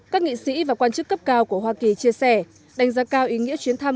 các nghị sĩ và quan chức cấp cao của hoa kỳ chia sẻ đánh giá cao ý nghĩa chuyến thăm